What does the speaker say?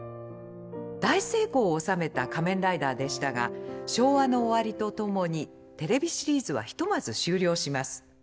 大成功を収めた「仮面ライダー」でしたが昭和の終わりとともにテレビシリーズはひとまず終了します。